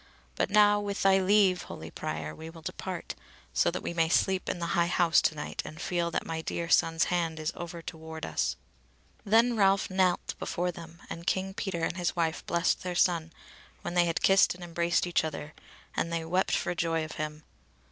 But now with thy leave, holy Prior, we will depart, so that we may sleep in the High House to night, and feel that my dear son's hand is over us to ward us." Then Ralph knelt before them, and King Peter and his wife blessed their son when they had kissed and embraced each other, and they wept for joy of him.